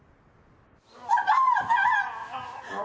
お父さん！